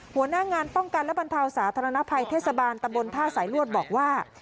หัวหน้างานป้องกันและบรรเทาสาธารณภัยเทศบาลตะบนท่าสายลวดบอกว่า